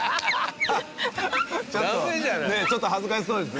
ちょっと恥ずかしそうです。